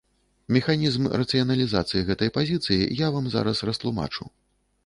Механізм рацыяналізацыі гэтай пазіцыі я вам зараз растлумачу.